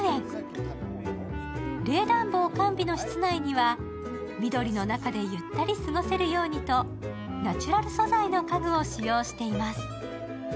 冷暖房完備の室内には緑の中でゆったり過ごせるようにとナチュラル素材の家具を使用しています。